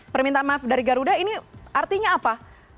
permintaan maaf dari garuda ini artinya apa